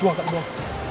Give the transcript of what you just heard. jual saat jual